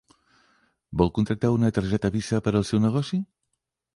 Vol contractar una targeta Visa per al seu negoci?